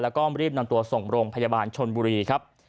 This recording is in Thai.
และรีบนำตัวท่ายก่อนชนบุรีครับ